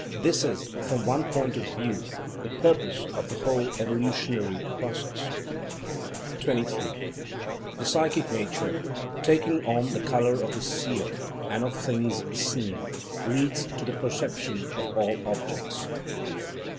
This is, from one point of view, the purpose of the whole evolutionary process. 23. The psychic nature, taking on the colour of the Seer and of things seen, leads to the perception of all objects.